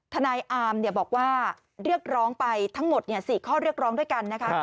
ธนายอามเนี่ยบอกว่าเรียกร้องไปทั้งหมดเนี่ยสี่ข้อเรียกร้องด้วยกันนะคะ